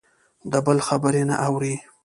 د بل خبرې نه اوري.